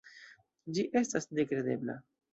Ĝi estas nekredebla.